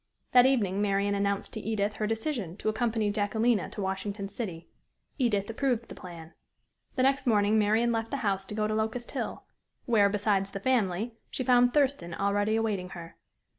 That evening Marian announced to Edith her decision to accompany Jacquelina to Washington City. Edith approved the plan. The next morning Marian left the house to go to Locust Hill, where, besides the family, she found Thurston already awaiting her.